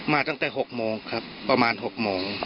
ตั้งแต่๖โมงครับประมาณ๖โมง